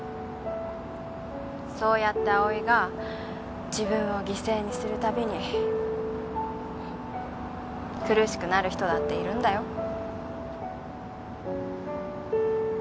そうやって葵が自分を犠牲にするたびに苦しくなる人だっているんだよ。